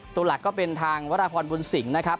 ตัวหลักก็เป็นทางวราพรบุญสิงห์นะครับ